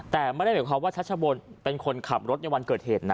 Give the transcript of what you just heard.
แต่ไม่ได้หมายความว่าชัชบนเป็นคนขับรถในวันเกิดเหตุนะ